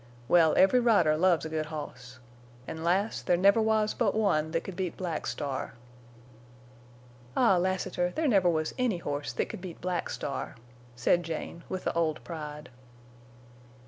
Well, every rider loves a good horse. An', lass, there never was but one that could beat Black Star." "Ah, Lassiter, there never was any horse that could beat Black Star," said Jane, with the old pride.